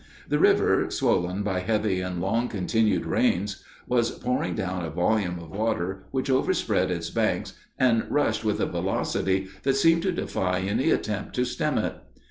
The river, swollen by heavy and long continued rains, was pouring down a volume of water which overspread its banks and rushed with a velocity that seemed to defy any attempt to stem it.